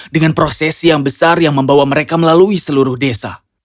dengan prosesi yang besar yang membawa mereka melalui seluruh desa